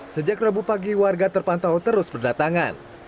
sejak rabu pagi warga terpantau terus berdatangan